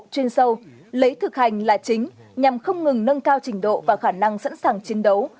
chuyên sâu lấy thực hành là chính nhằm không ngừng nâng cao trình độ và khả năng sẵn sàng chiến đấu